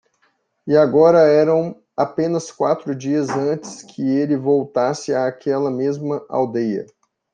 E agora eram apenas quatro dias antes que ele voltasse àquela mesma aldeia.